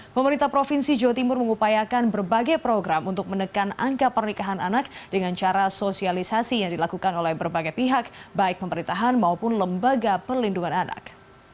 pemerintah provinsi jawa timur mengupayakan berbagai program untuk menekan angka pernikahan anak dengan cara sosialisasi yang dilakukan oleh berbagai pihak baik pemerintahan maupun lembaga perlindungan anak